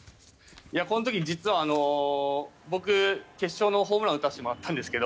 この時、実は僕決勝のホームランを打たせてもらったんですが